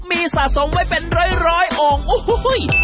มีสะสมไว้เป็นร้อยองค์อูฮูหุ้ย